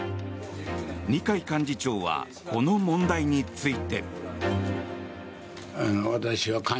二階幹事長はこの問題について。